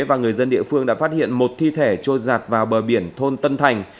và người dân địa phương đã phát hiện một thi thể trôi giạt vào bờ biển thôn tân thành